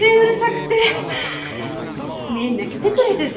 みんな来てくれてて。